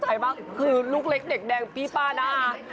จะตกใจบ้างคือลูกเล็กแดกแดงพี่ป้านะ